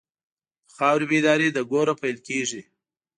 د خاورې بیداري له کوره پیل کېږي.